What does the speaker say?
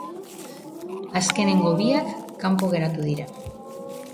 Azkenengo biak kanpo geratu dira.